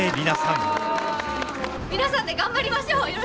皆さんで頑張りましょう！